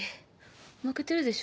負けてるでしょ？